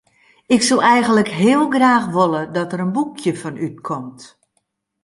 Ik soe eigentlik heel graach wolle dat der in boekje fan útkomt.